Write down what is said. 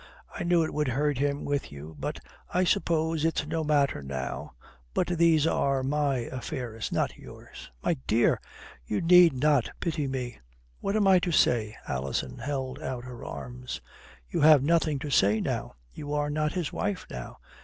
I knew it would hurt him with you. But I suppose it's no matter now. But these are my affairs, not yours." "My dear " "You need not pity me." "What am I to say?" Alison held out her arms. "You have nothing to say now. You are not his wife now.